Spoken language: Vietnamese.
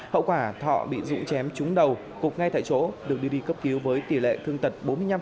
hậu quả thọ bị rụ chém trúng đầu cục ngay tại chỗ được đưa đi cấp cứu với tỷ lệ thương tật bốn mươi năm